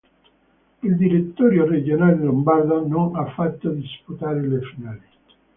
Il Direttorio Regionale Lombardo non ha fatto disputare le finali.